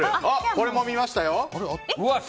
これも見ましたよ。